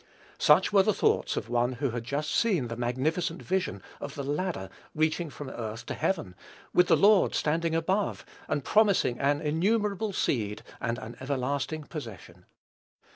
Such were the thoughts of one who had just seen the magnificent vision of the ladder reaching from earth to heaven, with the Lord standing above, and promising an innumerable seed and an everlasting possession.